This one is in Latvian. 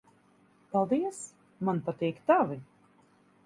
Paldies. Man patīk tavi.